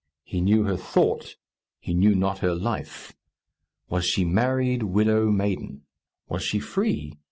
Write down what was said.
He knew her thought; he knew not her life. Was she married, widow, maiden? Was she free?